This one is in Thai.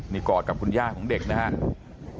นี่กอดกับคุณย่าของเด็กนะครับ